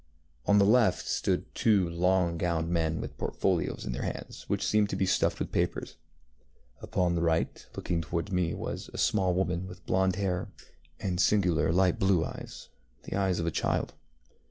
On the left stood two long gowned men with portfolios in their hands, which seemed to be stuffed with papers. Upon the right, looking toward me, was a small woman with blonde hair and singular light blue eyesŌĆöthe eyes of a child.